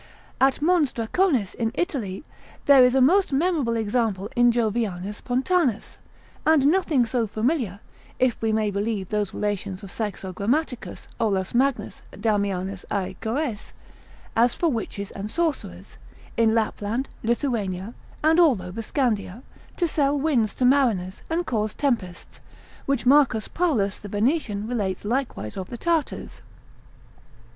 At Mons Draconis in Italy, there is a most memorable example in Jovianus Pontanus: and nothing so familiar (if we may believe those relations of Saxo Grammaticus, Olaus Magnus, Damianus A. Goes) as for witches and sorcerers, in Lapland, Lithuania, and all over Scandia, to sell winds to mariners, and cause tempests, which Marcus Paulus the Venetian relates likewise of the Tartars.